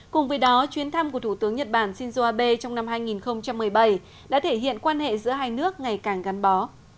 cùng với đó chuyến thăm của thủ tướng nhật bản shinzo abe trong năm hai nghìn một mươi bảy đã thể hiện quan hệ giữa hai nước ngày càng gắn bó